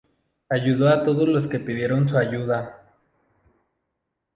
Ayudó a todos los que pidieron su ayuda.